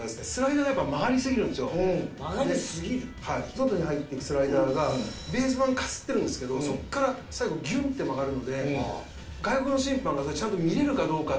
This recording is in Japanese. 外に入っていくスライダーがベース板かすってるんですけどそこから最後ギュンって曲がるので外国の審判がそれちゃんと見れるかどうかっていう話。